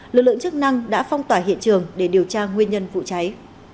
lực lượng chức năng đã phong tỏa hiện trường để điều tra nguyên nhân vụ cháy